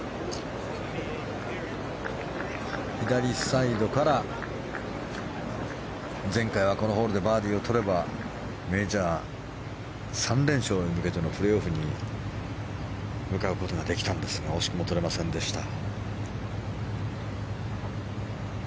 左サイドから前回はこのホールでバーディーを取ればメジャー３連勝へ向けてのプレーオフに向かうことができたんですが惜しくも取れませんでした。